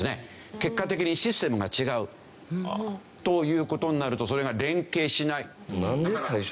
結果的にシステムが違うという事になるとそれが連携しない。